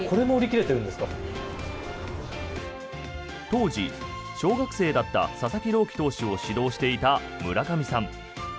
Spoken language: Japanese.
当時、小学生だった佐々木朗希投手を指導していた村上さん。